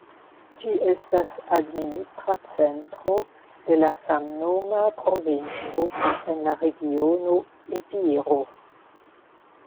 Ĝi estas administra centro de la samnoma provinco en la regiono Epiro.